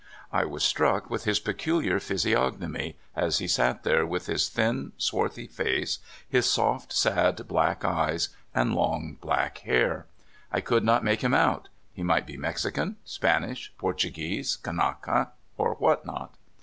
I was struck with his peculiar ph^^siognomy as he sat there with his thin, swarthy face, his soft, sad black eyes, and long black hair. I could not make him out; he might be Mexican, Spanish, Portu guese, "Kanaka," or what not.